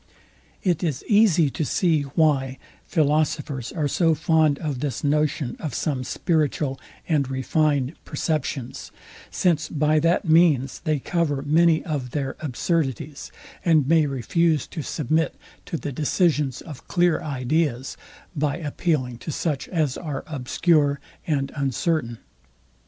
It is easy to see, why philosophers are so fond of this notion of some spiritual and refined perceptions; since by that means they cover many of their absurdities, and may refuse to submit to the decisions of clear ideas, by appealing to such as are obscure and uncertain.